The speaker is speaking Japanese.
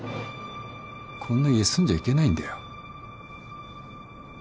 こんな家住んじゃいけないんだよ。